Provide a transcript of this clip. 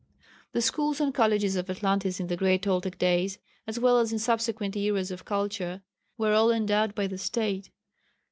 The schools and colleges of Atlantis in the great Toltec days, as well as in subsequent eras of culture, were all endowed by the State.